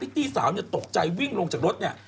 ตี้สาวตกใจวิ่งลงจากรถเนี่ย